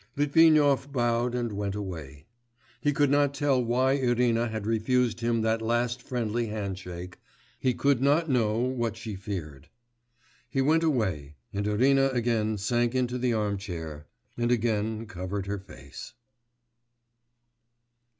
Litvinov bowed and went away. He could not tell why Irina had refused him that last friendly handshake.... He could not know what she feared. He went away, and Irina again sank into the armchair and again covered her face.